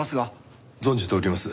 存じております。